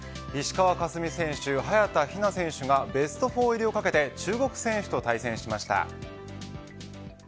石川佳純選手、早田ひな選手がベスト４入りをかけて中国選手と対戦しました。